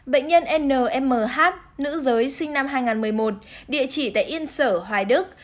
bệnh nhân nh nữ giới sinh năm hai nghìn một mươi một địa chỉ tại yên sở hoài đức